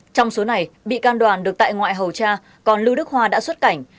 trong số này bị can đoàn được tại ngoại hầu tra còn lưu đức hoa đã xuất cảnh